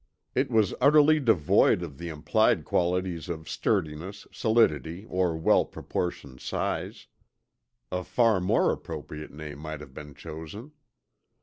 It was utterly devoid of the implied qualities of sturdiness, solidity, or well proportioned size. A far more appropriate name might have been chosen.